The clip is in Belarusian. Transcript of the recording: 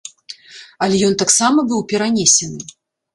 Але ён таксама быў перанесены.